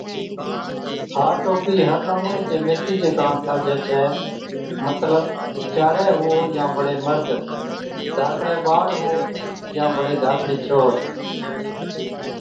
ھا ٽوپِي ھر نمُوني چِي ميٿِي چي ڪاڻ ٺاھجَي ڇَي مطلب چاڙي هُوئو يان بڙي مرد، ڌاڪڙَي ٻاڙ هُوئو يان بڙي ڌاڪڙِي ڇوهر